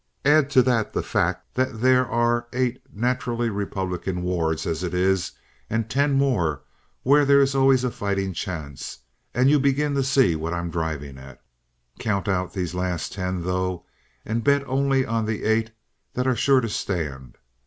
Add to that the fact that there are eight naturally Republican wards as it is, and ten more where there is always a fighting chance, and you begin to see what I'm driving at. Count out these last ten, though, and bet only on the eight that are sure to stand.